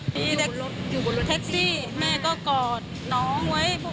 อยู่บนรถแท็กซี่แม่ก็กอดน้องไว้